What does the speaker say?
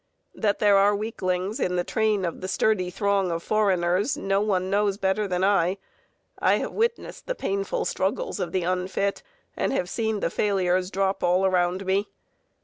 That there are weaklings in the train of the sturdy throng of foreigners nobody knows better than I. I have witnessed the pitiful struggles of the unfit, and have seen the failures drop all around me.